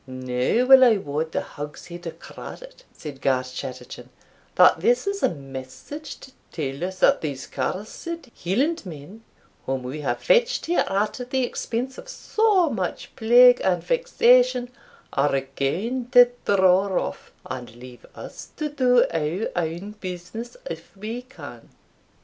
"Now will I wad a hogshead of claret," said Garschattachin, "that this is a message to tell us that these cursed Highlandmen, whom we have fetched here at the expense of so much plague and vexation, are going to draw off, and leave us to do our own business if we can."